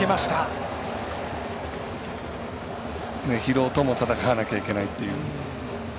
疲労とも闘わなきゃいけないっていう。